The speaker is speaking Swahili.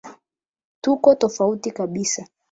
tuko tofauti kabisa